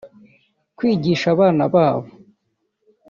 kwigisha abana babo